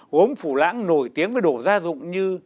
gốm phủ lãng nổi tiếng với đồ gia dụng như